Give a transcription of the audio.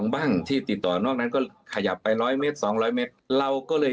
บ้างที่ติดต่อนอกนั้นก็ขยับไป๑๐๐เมตร๒๐๐เมตรเราก็เลย